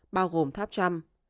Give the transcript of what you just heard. bao gồm tháp trump